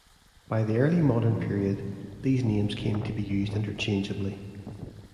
By the Early Modern Period, these names came to be used interchangeably.